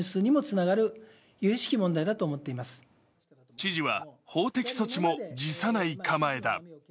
知事は法的措置も辞さない構えだ。